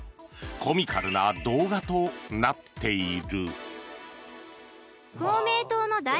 コミカルな動画となっている。